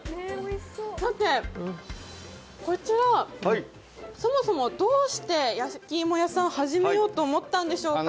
さて、こちら、そもそもどうして焼き芋屋さんを始めようと思ったんでしょうか？